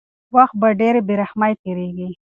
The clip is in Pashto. وخت په ډېرې بې رحمۍ تېرېږي.